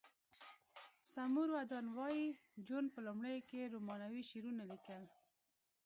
سمور ودان وایی جون په لومړیو کې رومانوي شعرونه لیکل